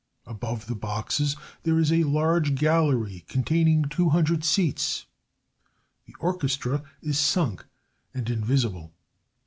Above the boxes there is a large gallery containing 200 seats. The orchestra is sunk, and invisible.